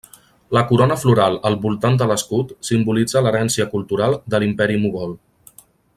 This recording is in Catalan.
La corona floral al voltant de l'escut simbolitza l'herència cultural de l'Imperi Mogol.